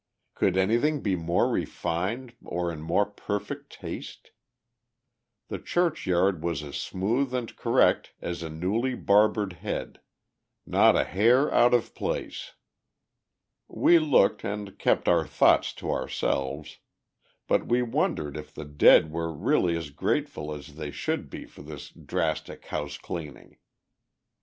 Could anything be more refined or in more perfect taste? The churchyard was as smooth and correct as a newly barbered head, not a hair out of place. We looked and kept our thoughts to ourselves, but we wondered if the dead were really as grateful as they should be for this drastic house cleaning?